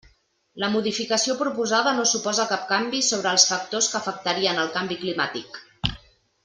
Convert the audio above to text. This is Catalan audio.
La modificació proposada no suposa cap canvi sobre els factors que afectarien el canvi climàtic.